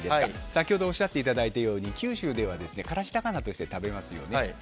先ほどおっしゃっていただいたとおり九州では辛子高菜として食べますよね。